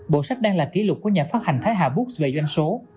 bộ sách đang là kỷ lục của nhà phát hành thái hà book về doanh số